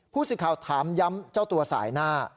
ผู้สื่อข่าวถามย้ำเจ้าตัวสายหน้า